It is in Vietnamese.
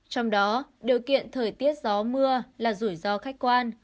trong đó điều kiện thời tiết gió mưa là rủi ro khách quan